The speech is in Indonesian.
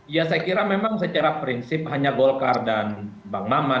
ya saya kira memang secara prinsip hanya golkar dan bang maman